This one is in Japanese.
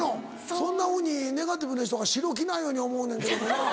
そんなふうにネガティブな人が白着ないように思うねんけども。